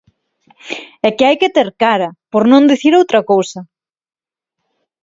¡É que hai que ter cara, por non dicir outra cousa!